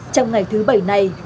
trong ngày thứ bảy này